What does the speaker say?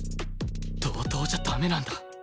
同等じゃ駄目なんだ